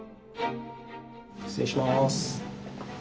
失礼します。